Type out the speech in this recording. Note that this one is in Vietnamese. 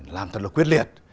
làm thật là quyết liệt